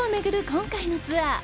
今回のツアー。